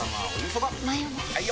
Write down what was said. ・はい！